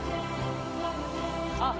あっ。